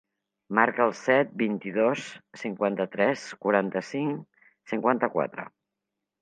Marca el set, vint-i-dos, cinquanta-tres, quaranta-cinc, cinquanta-quatre.